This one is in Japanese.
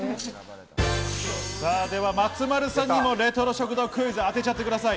では松丸さんにもレトロ食堂クイズ、当てちゃってください。